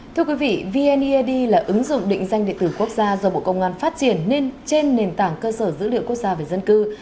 thưa quý vị vneid là ứng dụng định danh địa tử quốc gia do bộ công an phát triển nên trên nền tảng cơ sở dữ liệu quốc gia về dân cư